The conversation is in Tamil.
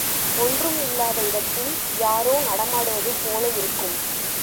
ஒன்றும் இல்லாத இடத்தில் யாரோ நடமாடுவது போல இருக்கும்.